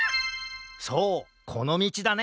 そうこのみちだね！